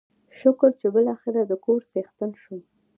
شکر چې بلاخره دکور څښتن شوم.